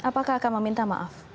apakah akan meminta maaf